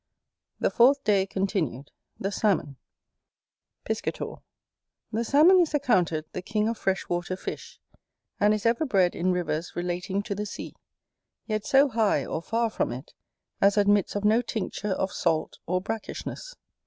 The fourth day continued The Salmon Chapter VII Piscator The Salmon is accounted the King of freshwater fish; and is ever bred in rivers relating to the sea, yet so high, or far from it, as admits of no tincture of salt, or brackishness.